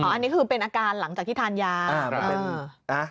อันนี้คือเป็นอาการหลังจากที่ทานยา